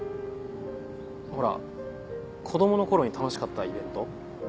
ほら子供の頃に楽しかったイベント。